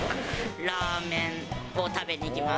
ラーメンを食べに行きます。